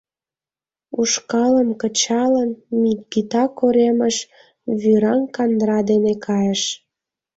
Ушкалым кычалын, Мигыта коремыш вӱраҥ кандыра дене кайыш.